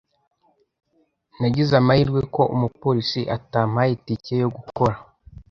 Nagize amahirwe ko umupolisi atampaye itike yo gukora